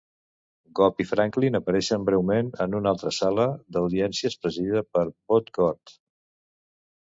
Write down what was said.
Gob i Franklin apareixen breument en una altra sala d'audiències presidida per Bud cort.